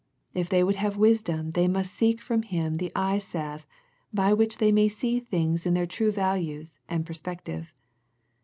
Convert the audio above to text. If they would have wisdom they must seek from Him the eye salve by which they may see things in their true values and perspective.